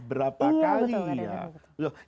berapa kali ya